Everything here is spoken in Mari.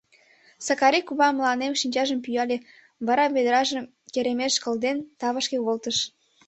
— Сакари кува мыланем шинчажым пӱяле, вара ведражым керемеш кылден, тавышке волтыш.